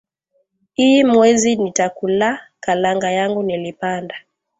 Iyi mwezi nita kula kalanga yangu nilipanda